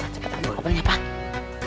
cepet aja kopernya pak